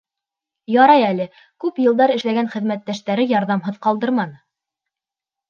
Ярай әле күп йылдар эшләгән хеҙмәттәштәре ярҙамһыҙ ҡалдырманы.